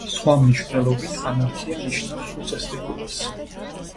სხვა მნიშვნელობით ანარქია ნიშნავს უწესრიგობას.